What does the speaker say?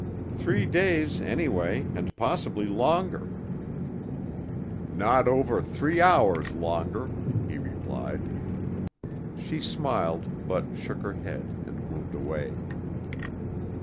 "Three days anyway, and possibly longer." "Not over three hours longer," he replied. She smiled, but shook her head and moved away.